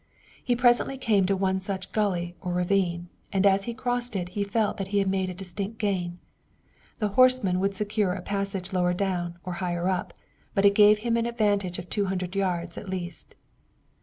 He presently came to one such gulley or ravine, and as he crossed it he felt that he had made a distinct gain. The horsemen would secure a passage lower down or higher up, but it gave him an advantage of two hundred yards at least.